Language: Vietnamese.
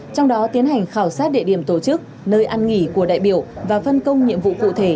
trong đó tiến hành khảo sát địa điểm tổ chức nơi ăn nghỉ của đại biểu và phân công nhiệm vụ cụ thể